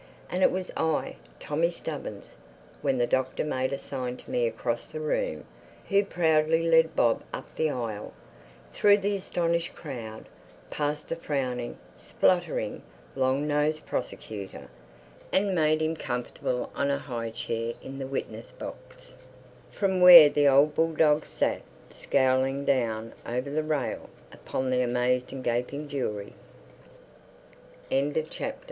And it was I, Tommy Stubbins (when the Doctor made a sign to me across the room) who proudly led Bob up the aisle, through the astonished crowd, past the frowning, spluttering, long nosed Prosecutor, and made him comfortable on a high chair in the witness box; from where the old bulldog sat scowling down over the rail upon the amazed and gaping jury. [Illustration: "Sat scowling down